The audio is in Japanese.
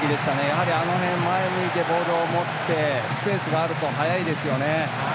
やはり、あの辺で前を向いてボールを持ってスペースがあると速いですよね。